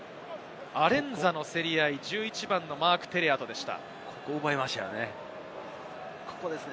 アレンザの競り合い、１１番マーク・テレアとでした。